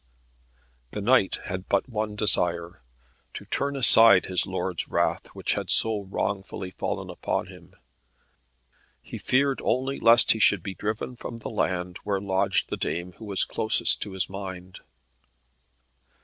The knight had but one desire to turn aside his lord's wrath, which had so wrongfully fallen upon him. He feared only lest he should be driven from the land where lodged the dame who was the closest to his mind.